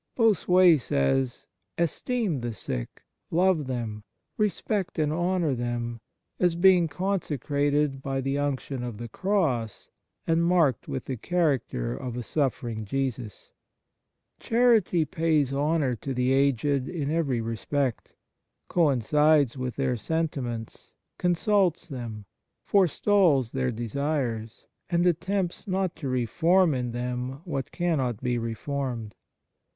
Bossuet says :" Esteem the sick, love them, respect and honour them, as being consecrated by the unction of the Cross and marked with the character of a suffering Jesus." Charity pays honour to the aged in every respect, coincides with their sentiments, consults them, forestalls their desires, and attempts not to reform in them what cannot be reformed.